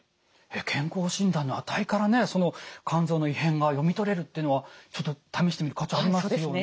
健康診断の値からねその肝臓の異変が読み取れるっていうのはちょっと試してみる価値ありますよね。